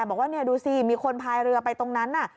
บอกว่าดูสิมีคนพายเรือไปตรงนั้น